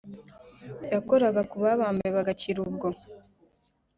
Yakoraga kubabambe bagakira ubwo